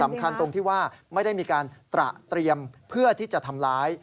ตรงที่ว่าไม่ได้มีการตระเตรียมเพื่อที่จะทำร้าย